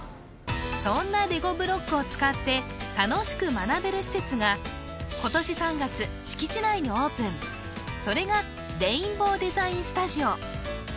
そんなレゴブロックを使って楽しく学べる施設が今年３月敷地内にオープンそれがレインボー・デザイン・スタジオ